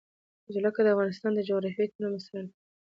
جلګه د افغانستان د جغرافیوي تنوع مثال دی.